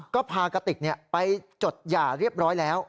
ก็พากติกไปจดหย่าเรียบร้อยแล้ว